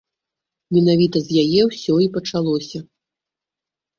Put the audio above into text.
Менавіта з яе ўсё і пачалося.